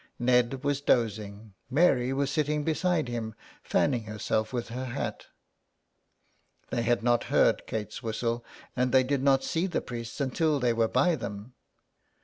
Ned was dozing, Mary was sitting beside him fanning herself with her hat; they had not heard Kate's whistle, and they did not see the priests until they were by them.